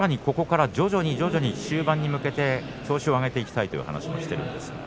本人はさらにここから徐々に徐々に終盤に向けて調子を上げていきたいという話をしています。